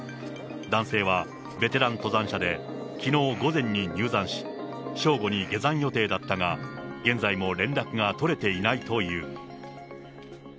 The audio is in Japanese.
男性はベテラン登山者で、きのう午前に入山し、正午に下山予定だったが、現在も連絡が取れていないという。